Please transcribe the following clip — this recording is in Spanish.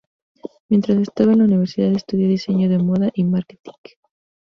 Mientras estaba en la Universidad, estudió Diseño de Moda y Marketing.